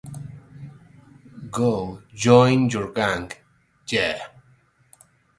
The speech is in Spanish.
Go Join Your Gang, Yeah!